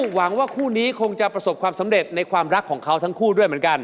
หวังว่าคู่นี้คงจะประสบความสำเร็จในความรักของเขาทั้งคู่ด้วยเหมือนกัน